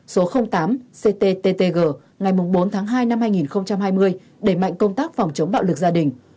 số tám cttg ngày bốn tháng hai năm hai nghìn hai mươi đẩy mạnh công tác phòng chống bạo lực gia đình